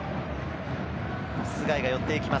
須貝が寄っていきます。